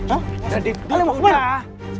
udah dibuka udah